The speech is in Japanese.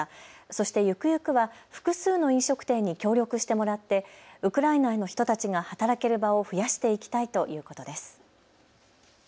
そしてゆくゆくは複数の飲食店に協力してもらってウクライナの人たちが働ける場を増やしていきたいということです。